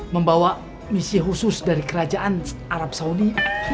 membawa misi khusus dari kerajaan arab saudi